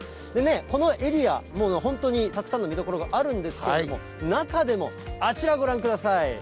このエリア、本当にたくさんの見どころがあるんですけれども、中でもあちら、ご覧ください。